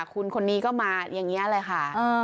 คุณคนนี้ก็มาอย่างนี้เลยค่ะ